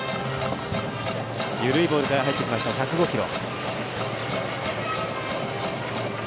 緩いボールから入っていきました１０５キロ。